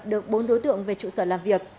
được bốn đối tượng về trụ sở làm việc